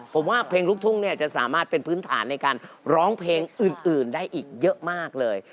ผมว่าเพลงลูกทุ่งเนี่ยจะสามารถเป็นพื้นฐานในการร้องเพลงอื่นได้อีกเยอะมากเลย